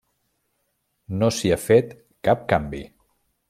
No s'hi ha fet cap canvi.